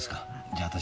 じゃあ私